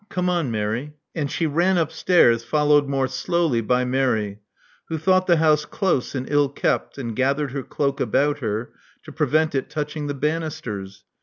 Come on, Mary." And she ran upstairs, followed more slowly by Mary, who thought the house close and ill kept, and gathered her cloak about her to prevent it touching the banisters.